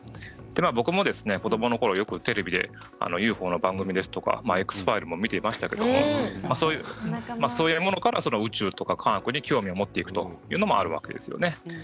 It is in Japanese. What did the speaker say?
僕も子どものころ、よくテレビでＵＦＯの番組、「Ｘ−ファイル」も見ていましたけれどそういうものから宇宙とか科学に興味を持っていくというのもあるわけですね。